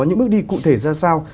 những bước đi cụ thể ra sao